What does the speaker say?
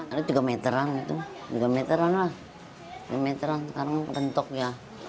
ada tiga meteran itu tiga meteran lah tiga meteran sekarang rentok ya